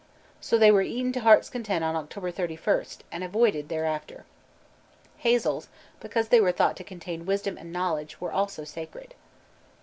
So they were eaten to heart's content on October 31st, and avoided thereafter. Hazels, because they were thought to contain wisdom and knowledge, were also sacred.